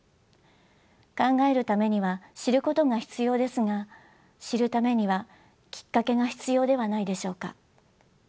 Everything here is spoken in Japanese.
考えるためには知ることが必要ですが知るためにはきっかけが必要ではないでしょうか。